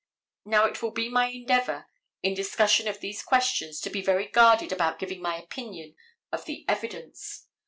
Now it will be my endeavor in discussion of these questions to be very guarded about giving my opinion of the evidence.